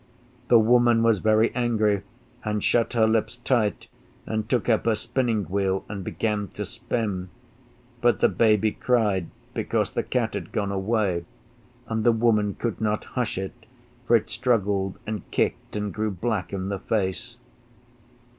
The Woman was very angry, and shut her lips tight and took up her spinning wheel and began to spin. But the Baby cried because the Cat had gone away, and the Woman could not hush it, for it struggled and kicked and grew black in the face.